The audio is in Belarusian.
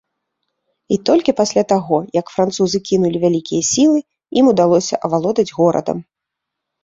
І толькі пасля таго, як французы кінулі вялікія сілы, ім удалося авалодаць горадам.